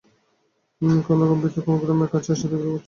কমলা কম্পিতবক্ষে গ্রামের কাছে আসিয়া দেখিল, গ্রামটি সুষুপ্ত।